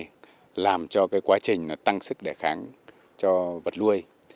nó sẽ làm cho cái quá trình nó tăng sức để kháng cho vật nuôi